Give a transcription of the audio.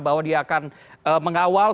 bahwa dia akan mengawal